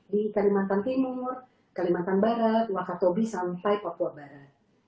di kalimantan timur kalimantan barat wakatobi sampai papua barat